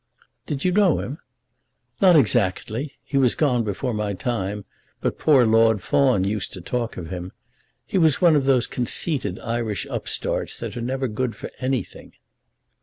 "Did you know him?" "Not exactly. He was gone before my time; but poor Lord Fawn used to talk of him. He was one of those conceited Irish upstarts that are never good for anything."